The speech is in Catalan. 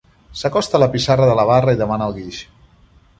S'acosta a la pissarra de la barra i demana el guix.